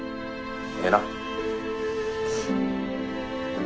ええな。